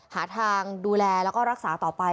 หาทางดูแลแล้วก็รักษาต่อไป